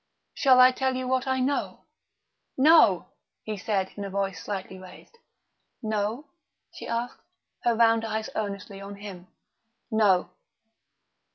"Shall I tell you what I know?" "No," he said in a voice slightly raised. "No?" she asked, her round eyes earnestly on him. "No."